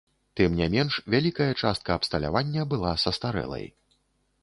Тым не менш, вялікая частка абсталявання была састарэлай.